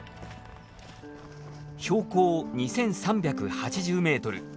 標高２，３８０メートル。